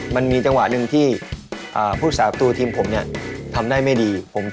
มันมีจังหวะหนึ่งที่ผู้สาประตูทีมผมเนี่ยทำได้ไม่ดี